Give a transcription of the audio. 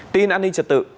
tin an ninh trật tự